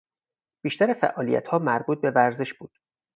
بیشتر فعالیتها مربوط به ورزش بود.